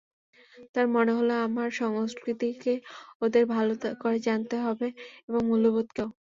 তার মানে হলো, আমার সংস্কৃতিকে ওদের ভালো করে জানতে হবে এবং মূল্যবোধকেও।